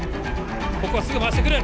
ここはすぐ回してくる。